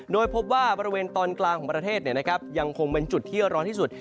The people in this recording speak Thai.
โดยพบว่าบริเวณตอนกลางของประเทศยังคงเป็นจุดที่ร้อนที่สุด